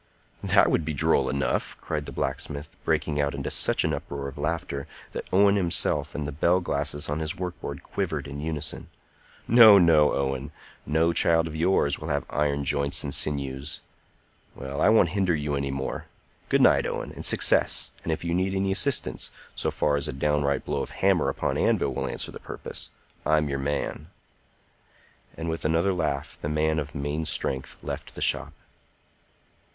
"That would be droll enough!" cried the blacksmith, breaking out into such an uproar of laughter that Owen himself and the bell glasses on his work board quivered in unison. "No, no, Owen! No child of yours will have iron joints and sinews. Well, I won't hinder you any more. Good night, Owen, and success, and if you need any assistance, so far as a downright blow of hammer upon anvil will answer the purpose, I'm your man." And with another laugh the man of main strength left the shop.